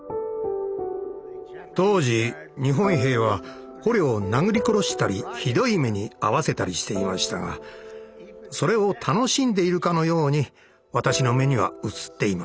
当時日本兵は捕虜を殴り殺したりひどい目に遭わせたりしていましたがそれを楽しんでいるかのように私の目には映っていました。